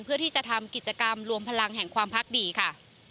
เพื่อที่จะทำกิจกรรมรวมพลังแห่งความพักดีค่ะ